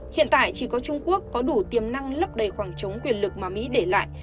hiện tại chỉ có trung quốc có đủ tiềm năng lấp đầy khoảng chống quyền lực mà mỹ để lại